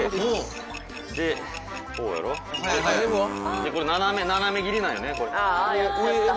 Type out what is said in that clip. でこれ斜め切りなんよね。